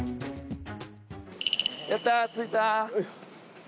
やった着いた。